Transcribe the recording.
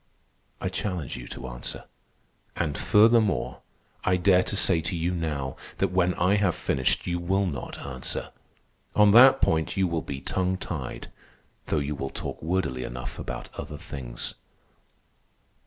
I challenge you to answer. And furthermore, I dare to say to you now that when I have finished you will not answer. On that point you will be tongue tied, though you will talk wordily enough about other things.